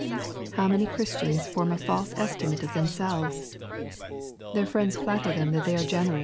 How many Christians form a fake estioiate of tbem selvea I Their friends flatter them that they are generous 3.